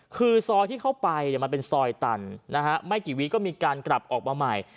คือซอยที่เข้าไปมันเป็นซอยตันนะฮะไม่กี่วีก็มีการกลับออกมาใหม่